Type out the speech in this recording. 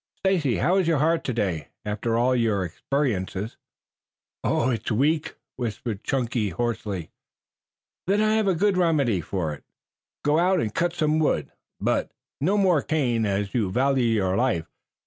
"Stacy, how is your heart today, after all your experiences?" "It's weak," whispered Chunky hoarsely. "Then I have a good remedy for it. Go out and cut some wood, but no more cane as you value your life.